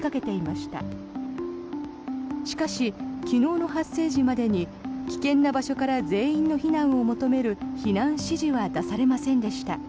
しかし、昨日の発生時までに危険な場所から全員の避難を求める避難指示は出されませんでした。